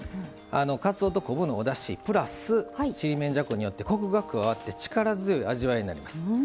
かつおと昆布のおだしプラスちりめんじゃこによってコクが加わって力強い味わいになります。